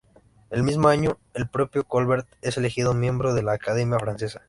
El mismo año, el propio Colbert es elegido miembro de la Academia francesa.